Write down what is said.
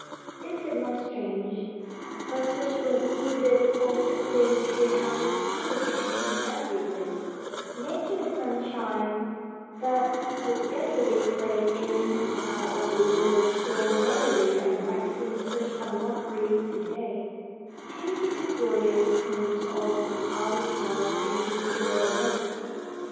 Is it not strange that such a wee bit of a thing should have the power to change every thing, making the sunshine that but yesterday played in and out of the windows so merrily and bright seem such a mockery to day, changing the joyous tones of the other children into funeral notes?